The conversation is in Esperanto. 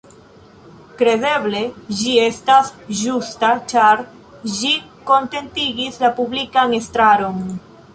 Kredeble ĝi estas ĝusta, ĉar ĝi kontentigis la publikan estraron.